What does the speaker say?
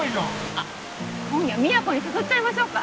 あっ今夜みやこに誘っちゃいましょうか。